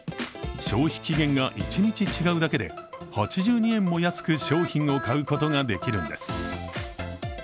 消費期限が１日違うだけで８２円も安く商品を買うことができるんです。